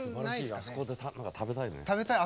あそこで食べたいね。